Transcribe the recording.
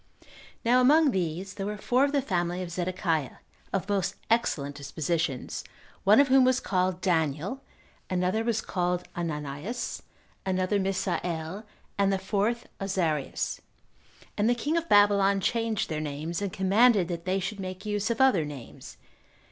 Now among these there were four of the family of Zedekiah, of most excellent dispositions, one of whom was called Daniel, another was called Ananias, another Misael, and the fourth Azarias; and the king of Babylon changed their names, and commanded that they should make use of other names.